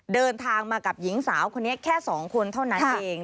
เดินทางมากับหญิงสาวคนนี้แค่๒คนเท่านั้นเอง